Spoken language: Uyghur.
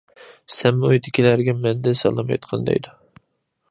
سەنمۇ ئۆيدىكىلەرگە مەندىن سالام ئېيتقىن دەيدۇ.